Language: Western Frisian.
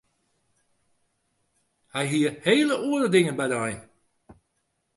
Hy hie hele oare dingen by de ein.